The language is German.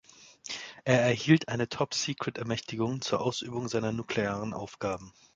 Er erhielt eine Top-Secret-Ermächtigung zur Ausübung seiner nuklearen Aufgaben.